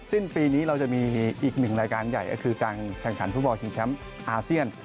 สิ้นปีนี้เราจะมีอีกหนึ่งรายการใหญ่ก็คือการแข่งขันฟุตบอลชิงแชมป์อาเซียน